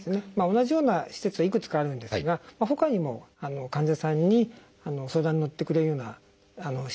同じような施設はいくつかあるんですがほかにも患者さんに相談にのってくれるような施設とかですね